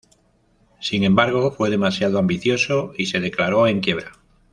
Sin embargo, fue demasiado ambicioso y se declaró en quiebra.